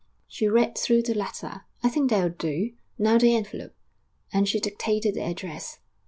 She read through the letter. 'I think that'll do; now the envelope,' and she dictated the address.